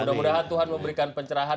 mudah mudahan tuhan memberikan pencerahan